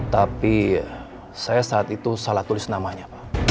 tapi saya saat itu salah tulis namanya